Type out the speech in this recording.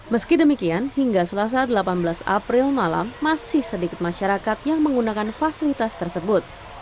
meski demikian hingga selasa delapan belas april malam masih sedikit masyarakat yang menggunakan fasilitas tersebut